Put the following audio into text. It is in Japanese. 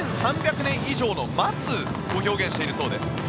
１３００年以上の松を表現しているそうです。